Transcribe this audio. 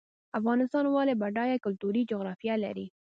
افغانستان ولې بډایه کلتوري جغرافیه لري؟